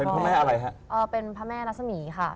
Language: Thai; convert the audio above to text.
เป็นพระแม่อะไรฮะเป็นพระแม่รัศมีร์ค่ะ